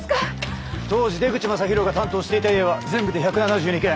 当時出口聖大が担当していた家は全部で１７２軒。